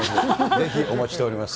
ぜひお待ちしております。